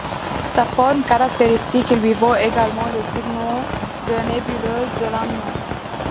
Sa forme caractéristique lui vaut également le surnom de nébuleuse de l'Anneau.